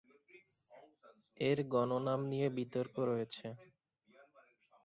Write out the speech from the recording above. এর গণ নাম নিয়ে বিতর্ক রয়েছে।